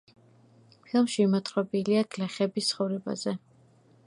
ფილმში მოთხრობილია გლეხების ცხოვრებაზე.